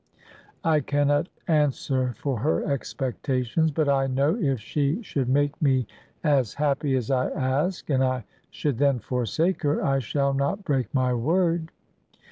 "I cannot answer for her expectations; but I know if she should make me as happy as I ask, and I should then forsake her, I shall not break my word."